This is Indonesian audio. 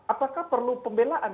apakah perlu pembelaan